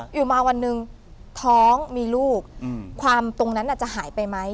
อยู่มาวันหนึ่งท้องมีลูกความตรงนั้นจะหายไปไหม